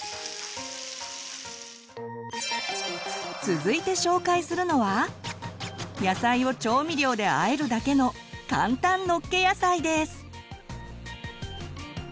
続いて紹介するのは野菜を調味料で和えるだけの簡単「のっけ野菜」です。